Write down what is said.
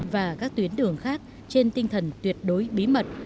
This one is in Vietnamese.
và các tuyến đường khác trên tinh thần tuyệt đối bí mật